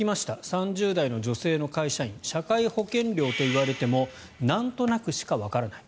３０代の女性の会社員社会保険料といわれてもなんとなくしかわからない。